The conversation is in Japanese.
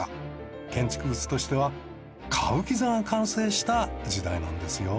建築物としては歌舞伎座が完成した時代なんですよ。